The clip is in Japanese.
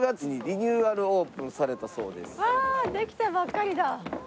うわできたばっかりだ。